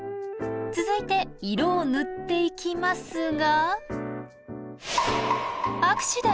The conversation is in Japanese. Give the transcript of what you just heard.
続いて色を塗っていきますが。